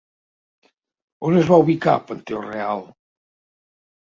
On es va ubicar el panteó reial?